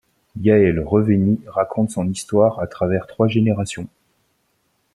Yael Reuveny raconte son histoire à travers trois générations.